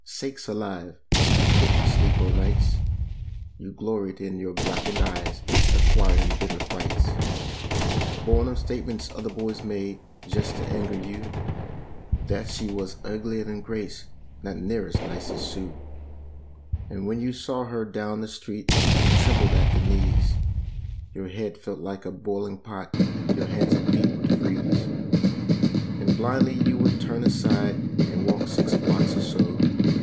Sakes alive! You couldn't sleep o' nights; You gloried in your blackened eyes ac¬ quired in bitter fights Born of the statements other boys made just to anger you— That she was uglier than Grace; not near as nice as Sue. And when you saw her down the street you trembled at the knees; Your head felt like a boiling pot; your hands and feet would freeze. And blindly you would turn aside and walk six blocks or so.